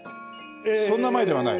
そんな前ではない？